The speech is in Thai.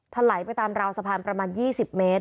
ไหลไปตามราวสะพานประมาณ๒๐เมตร